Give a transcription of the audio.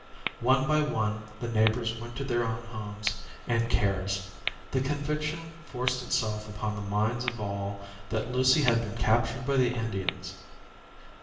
One by one the neighbors went to their own homes and cares. The conviction forced itself upon the minds of all, that Lucy had been captured by the Indians.